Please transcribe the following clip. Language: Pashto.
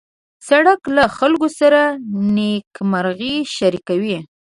سړک له خلکو سره نېکمرغي شریکوي.